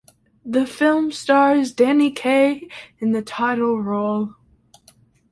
The film stars Danny Kaye in the title role.